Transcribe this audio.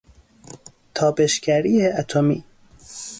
تابشگری اتمی